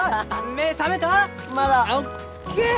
目覚めた？